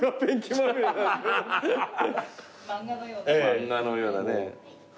漫画のようなね。